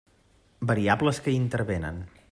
Variables que hi intervenen.